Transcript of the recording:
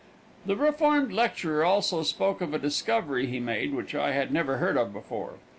The reformed lecturer also spoke of a discovery he made, which I had never heard of before.